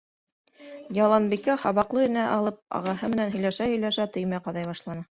Яланбикә, һабаҡлы энә алып, ағаһы менән һөйләшә-һөйләшә төймә ҡаҙай башланы.